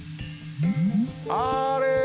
あれ！